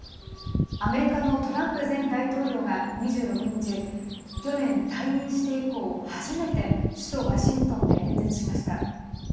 アメリカのトランプ前大統領が２６日去年、退任して以降初めて首都ワシントンで演説しました。